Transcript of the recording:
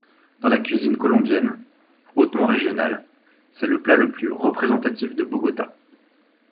Dans la cuisine colombienne hautement régionale, c'est le plat le plus représentatif de Bogotá.